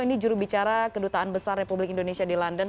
ini jurubicara kedutaan besar republik indonesia di london